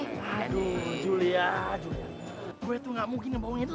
aduh julia gue tuh nggak mungkin ngebawainin lu